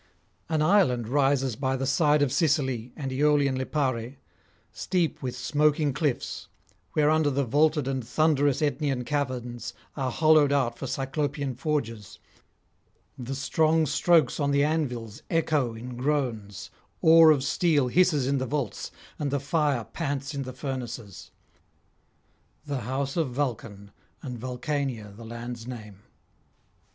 An island rises by the side of Sicily and Aeolian Lipare, steep with smoking cliffs, whereunder the vaulted and thunderous Aetnean caverns are hollowed out for Cyclopean forges, the strong strokes on the anvils echo in groans, ore of steel hisses in the vaults, and the fire pants in the furnaces: the house of Vulcan, and Vulcania the land's name.